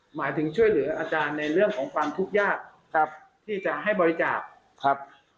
หมายถึงช่วยเหลืออาจารย์ในเรื่องของความทุกข์ยากครับที่จะให้บริจาคครับ